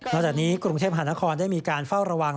หลังจากนี้กรุงเทพหานครได้มีการเฝ้าระวัง